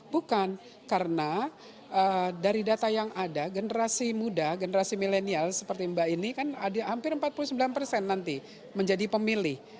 bukan karena dari data yang ada generasi muda generasi milenial seperti mbak ini kan hampir empat puluh sembilan persen nanti menjadi pemilih